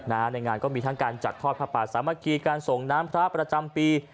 ในงานก็มีทั้งการจัดทอดพระป่าสามัคคีการส่งน้ำพระประจำปี